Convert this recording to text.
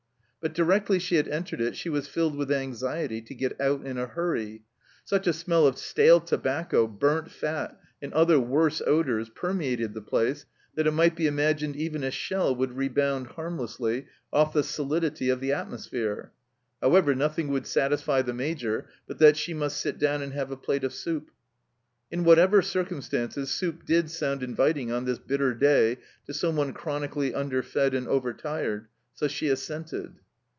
But directly she had entered it she was filled with anxiety to get out in a hurry ; such a smell of stale tobacco, burnt fat, and other worse odours, permeated the place that it might be imagined even a shell would rebound harmlessly off the solidity of the atmosphere ! However, nothing would satisfy the Major but that she must sit down and have a plate of soup. In whatever circumstances, soup did sound inviting on this bitter day to someone chronically under fed and over tired, so she assented.